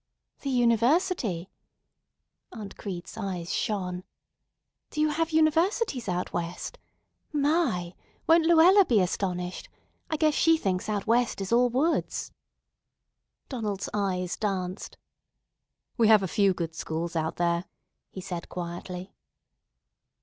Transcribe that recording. "The university!" Aunt Crete's eyes shone. "Do you have universities out West? My! Won't Luella be astonished? I guess she thinks out West is all woods." Donald's eyes danced. "We have a few good schools out there," he said quietly.